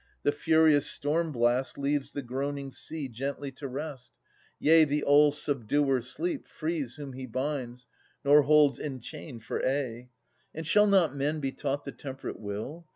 The furious storm blast leaves the groaning sea Gently to rest. Yea, the all subduer Sleep Frees whom he binds, nor holds enchained for aye. And shall not men be taught the temperate will?